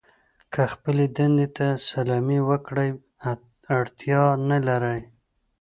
که خپلې دندې ته سلامي وکړئ اړتیا نه لرئ.